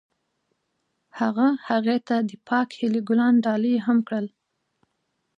هغه هغې ته د پاک هیلې ګلان ډالۍ هم کړل.